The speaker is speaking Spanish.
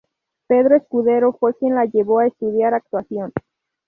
Pedro Escudero fue quien la llevó a estudiar actuación.